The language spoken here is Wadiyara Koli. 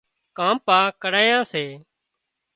ڪانپاڪڙيئا سي